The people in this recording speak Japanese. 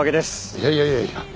いやいやいやいや。